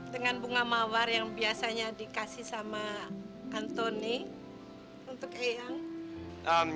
dengan bunga mawar yang biasanya dikasih sama antoni untuk eyang